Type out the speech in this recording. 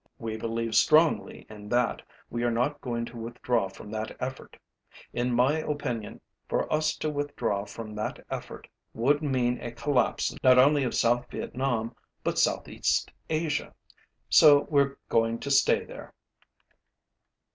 We believe strongly in that. We are not going to withdraw from that effort. In my opinion, for us to withdraw from that effort would mean a collapse not only of South Vietnam, but Southeast Asia. So weÆre going to stay there.